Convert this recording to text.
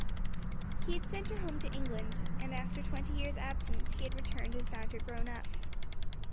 He had sent her home to England, and after a twenty years' absence he had returned and found her grown up.